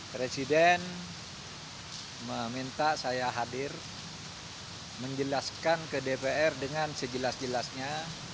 presiden meminta saya hadir menjelaskan ke dpr dengan sejelas jelasnya